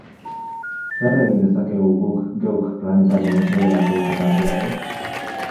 Zer egin dezakegu guk geuk planetaren mesederako eta kalterako?